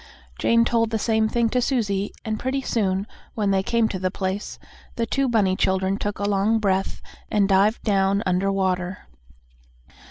Jane told the same thing to Susie, and, pretty soon, when they came to the place, the two bunny children took a long breath, and dived down under water.